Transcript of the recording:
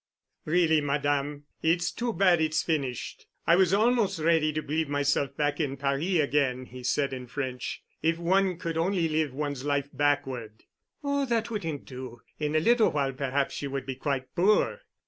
"Really, madame, it's too bad it's finished. I was almost ready to believe myself back in Paris again," he said in French. "If one could only live one's life backward!" "Oh, that wouldn't do—in a little while perhaps you would be quite poor."